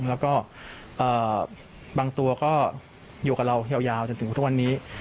แล้วก็บางตัวก็อยู่กับเรายาวจนถึงทุกวันนี้